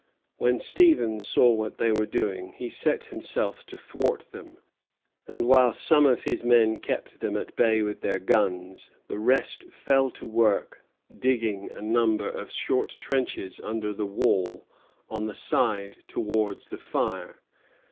When Stevens saw what they were doing, he set himself to thwart them; and while some of his men kept them at bay with their guns, the rest fell to work digging a number of short trenches under the wall, on the side towards the fire.